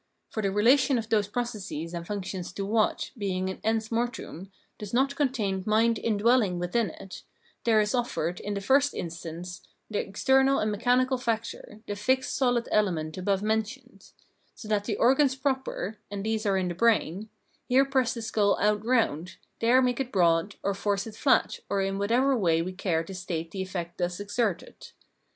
For the relation of those processes and functions to what, being an ens mortuum, does not contam mind indwelling within it, there is offered, m the first instance, the external and mechanical factor, the fixed solid element above mentioned, so that the organs proper— and these are in the brain— here press the skull out round, there make it broad, or force it flat, or in whatever way we care to state the effect thus exerted.